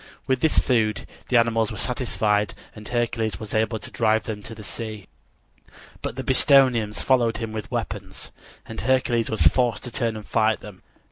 With this food the animals were satisfied and Hercules was able to drive them to the sea. But the Bistonians followed him with weapons, and Hercules was forced to turn and fight them.